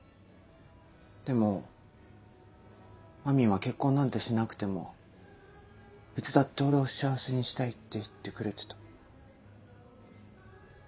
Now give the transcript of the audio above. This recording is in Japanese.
でもまみんは結婚なんてしなくてもいつだって俺を幸せにしたいって言ってくれてた。